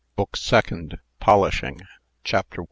BOOK SECOND. POLISHING. CHAPTER I.